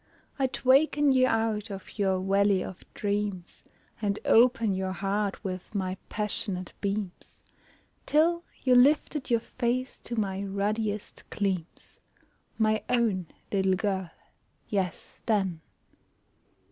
I'd waken you out of your valley of dreams And open your heart with my passionate beams, 'Till you lifted your face to my ruddiest gleams, My own little girl, yes then.